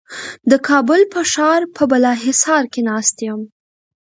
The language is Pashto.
د کابل په ښار په بالاحصار کې ناست یم.